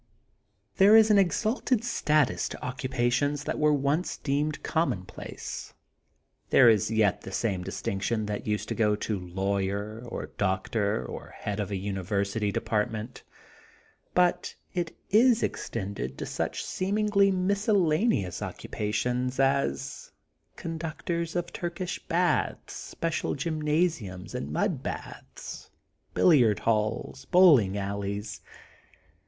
There is an exalted status to occupa tions that were once deemed commonplace. There is yet the same distinction that used to go to lawyer or doctor or head of a uni versity department, but it is extended to such seemingly miscellaneous occupations as con ductors of Turkish baths, special gymnasiums and mud baths, billiard halls, bowling alleys.